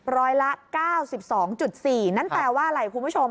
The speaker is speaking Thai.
ร้อยละ๙๒๔นั่นแปลว่าอะไรคุณผู้ชม